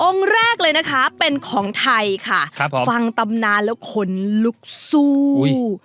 แรกเลยนะคะเป็นของไทยค่ะครับผมฟังตำนานแล้วขนลุกสู้